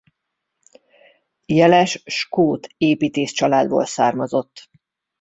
Jeles skót építész családból származott.